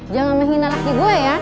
jangan menghina laki gue ya